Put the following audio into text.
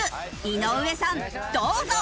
井上さんどうぞ！